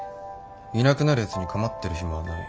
いなくなるやつに構ってる暇はない。